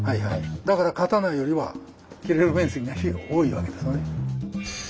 だから刀よりは斬れる面積が多いわけですよね。